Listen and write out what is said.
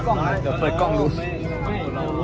กลับเองได้